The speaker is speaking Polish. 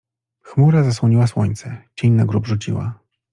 Chmura zasłoniła słońce, cień na grób rzuciła.